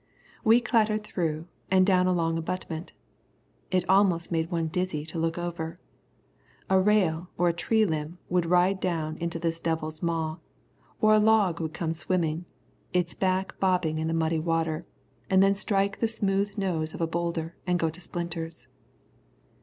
We clattered through, and down a long abutment. It almost made one dizzy to look over. A rail or a tree limb would ride down into this devil's maw, or a log would come swimming, its back bobbing in the muddy water, and then strike the smooth nose of a boulder and go to splinters.